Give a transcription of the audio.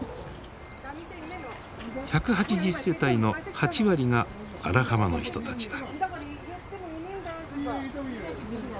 １８０世帯の８割が荒浜の人たちだ。